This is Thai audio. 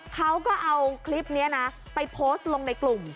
เขาก็เอาคลิปนี้นะไปโพสต์ลงในกลุ่ม